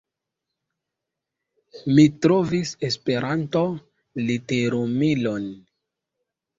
Mi trovis Esperanto literumilon.